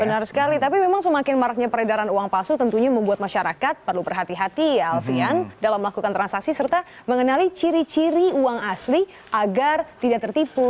benar sekali tapi memang semakin maraknya peredaran uang palsu tentunya membuat masyarakat perlu berhati hati ya alfian dalam melakukan transaksi serta mengenali ciri ciri uang asli agar tidak tertipu